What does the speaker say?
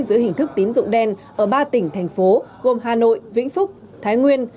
giữa hình thức tín dụng đen ở ba tỉnh thành phố gồm hà nội vĩnh phúc thái nguyên